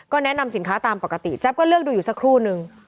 แนะนำสินค้าตามปกติแจ๊บก็เลือกดูอยู่สักครู่นึง